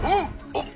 あっ！